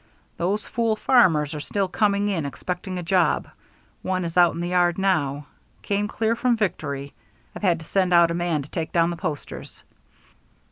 "Those fool farmers are still coming in expecting a job. One is out in the yard now. Came clear from Victory. I've had to send out a man to take down the posters."